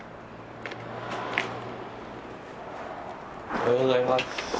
おはようございます。